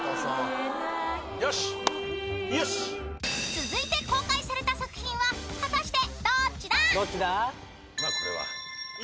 ［続いて公開された作品は果たしてどっちだ？］